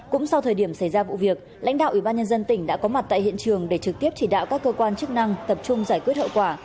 cũng sau thời điểm xảy ra vụ việc lãnh đạo ủy ban nhân dân tỉnh đã có mặt tại hiện trường để trực tiếp chỉ đạo các cơ quan chức năng tập trung giải quyết hậu quả